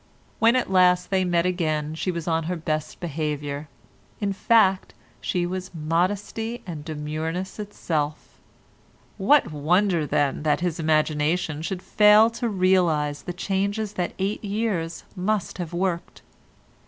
When at last they met again she was on her best behaviour, in fact, she was modesty and demureness itself. What wonder, then, that his imagination should fail to realise the changes that eight years must have worked?